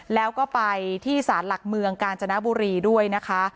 แล้วก็ไปที่ศาลหลักเมืองกาญจนบุรีด้วยนะคะ